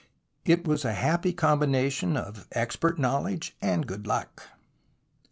It was a happy combination of expert knowledge and good luck.